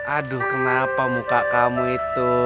aduh kenapa muka kamu itu